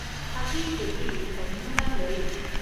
هګۍ د B ویټامینونه لري.